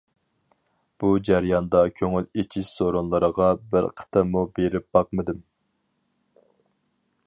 بۇ جەرياندا كۆڭۈل ئېچىش سورۇنلىرىغا بىر قېتىممۇ بېرىپ باقمىدىم.